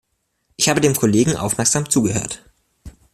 Ich habe dem Kollegen aufmerksam zugehört.